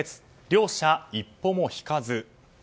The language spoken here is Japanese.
両者一歩も引かず。